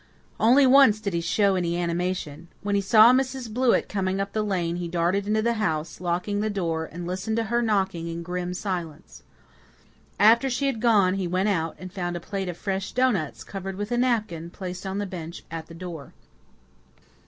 Only once did he show any animation. When he saw Mrs. Blewett coming up the lane he darted into the house, locked the door, and listened to her knocking in grim silence. After she had gone he went out, and found a plate of fresh doughnuts, covered with a napkin, placed on the bench at the door.